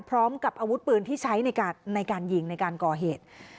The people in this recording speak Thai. พร้อมกับอาวุธปืนที่ใช้ในการยิงในการก่อเหตุ